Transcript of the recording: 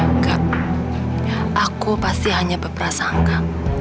enggak aku pasti hanya berprasangka